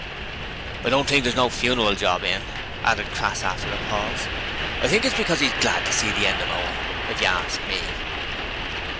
'But I don't think there's no funeral job in,' added Crass after a pause. 'I think it's because 'e's glad to see the end of Owen, if yeh ask me.'